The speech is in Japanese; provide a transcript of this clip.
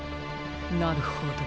なるほど。